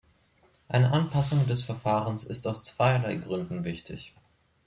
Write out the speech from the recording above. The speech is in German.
Eine Anpassung des Verfahrens ist aus zweierlei Gründen wichtig.